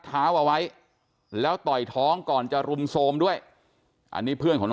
เท้าเอาไว้แล้วต่อยท้องก่อนจะรุมโทรมด้วยอันนี้เพื่อนของน้อง